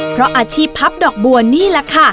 เพราะอาชีพพับดอกบัวนี่แหละค่ะ